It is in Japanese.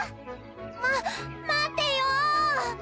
ま待ってよ